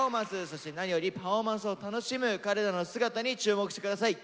そして何よりパフォーマンスを楽しむ彼らの姿に注目して下さい。